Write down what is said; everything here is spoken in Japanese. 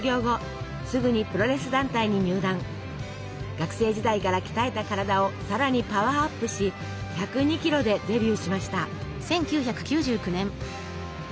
学生時代から鍛えた体をさらにパワーアップし１０２キロでデビューしました。